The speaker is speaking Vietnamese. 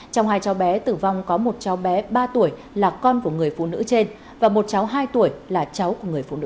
trong hai cháu bé tử vong có một cháu bé ba tuổi là con của người phụ nữ trên và một cháu hai tuổi là cháu của người phụ nữ